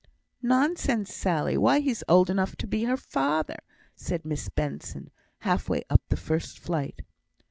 "Nonsense, Sally! why he's old enough to be her father!" said Miss Benson, half way up the first flight.